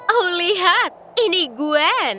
oh lihat ini gwen